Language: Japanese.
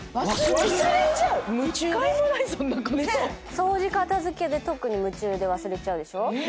掃除片付けで特に夢中で忘れちゃうでしょ。